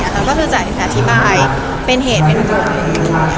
ก็จะอธิบายเป็นเหตุเป็นตัวเอง